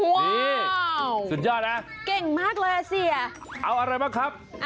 ว้าวสุดยอดนะเอาอะไรมาครับ